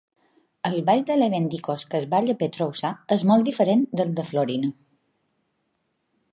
El ball de Levendikos que es balla a Petroussa és molt diferent del de Florina.